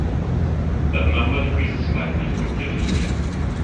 That number decreases slightly from year to year.